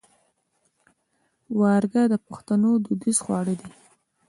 ورږۀ د پښتنو دوديز خواړۀ دي